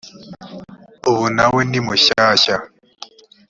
ubu na we ni mushyshya